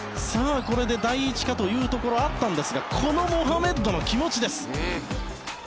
これで第一かというところはあったのですがこのモハメッドの気持ちです。